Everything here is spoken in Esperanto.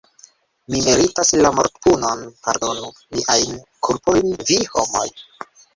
Mi meritas la mortpunon, pardonu miajn kulpojn vi, homoj!